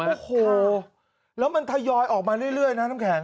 โอ้โหแล้วมันทยอยออกมาเรื่อยนะน้ำแข็ง